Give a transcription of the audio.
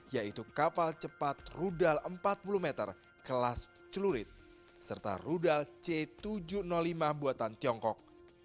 yaitu kapal cepat rudal empat puluh meter kelas celurit serta rudal c tujuh ratus lima buatan tiongkok